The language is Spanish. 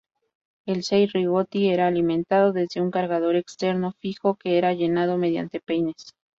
El Cei-Rigotti era alimentado desde un cargador externo fijo, que era llenado mediante peines.